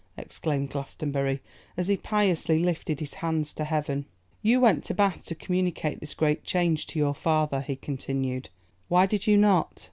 exclaimed Glastonbury, as he piously lifted his hands to heaven. 'You went to Bath to communicate this great change to your father,' he continued. 'Why did you not?